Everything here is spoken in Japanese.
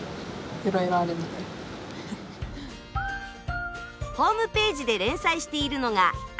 ホームページで連載しているのがＡｓｔａの日記。